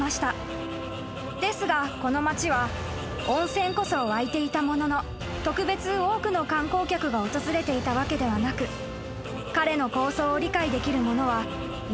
［ですがこの町は温泉こそ湧いていたものの特別多くの観光客が訪れていたわけではなく彼の構想を理解できる者はいなかったのです］